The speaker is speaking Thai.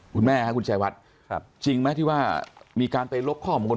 คุณแม่ครับคุณชายวัดจริงไหมที่ว่ามีการไปลบข้อมูล